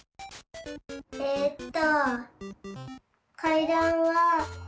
えっと。